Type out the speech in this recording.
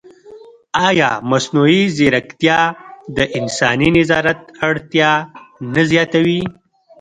ایا مصنوعي ځیرکتیا د انساني نظارت اړتیا نه زیاتوي؟